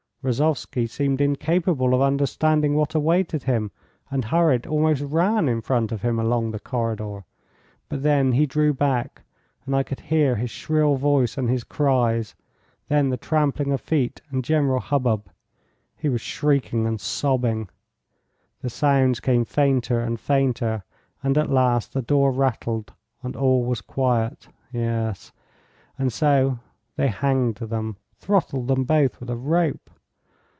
Rozovsky seemed incapable of understanding what awaited him, and hurried, almost ran, in front of him all along the corridor. But then he drew back, and I could hear his shrill voice and his cries, then the trampling of feet, and general hubbub. He was shrieking and sobbing. The sounds came fainter and fainter, and at last the door rattled and all was quiet. Yes. And so they hanged them. Throttled them both with a rope.